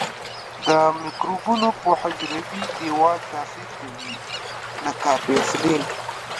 د مکروبونو په حجروي دیوال تاثیر کوي لکه پنسلین.